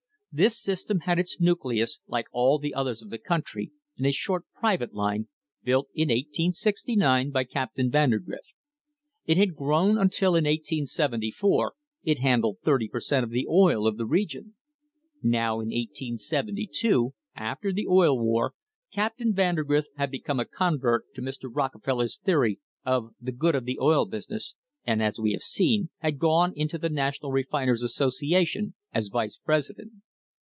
This system had its nucleus, like all the others of the country, in a short private line, built in 1869 by Captain Vandergrift. It had grown until in 1874 it handled thirty per cent, of the oil of the region. Now in 1872, after the Oil War, Captain Vandergrift had become a convert to Mr. Rockefeller's theory of the "good of the oil business," and as we have seen, had gone into the National Refiners' Association as vice president.